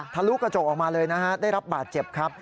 ลุกระจกออกมาเลยนะฮะได้รับบาดเจ็บครับ